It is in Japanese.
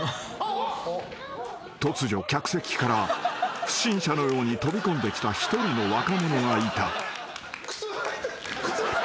［突如客席から不審者のように飛び込んできた一人の若者がいた］